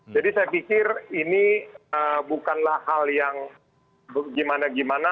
jadi saya pikir ini bukanlah hal yang gimana gimana